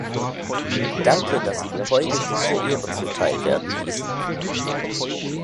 Danke, dass Sie mir heute diese Ehre zuteil werden ließen.